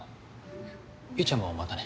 悠ちゃんもまたね。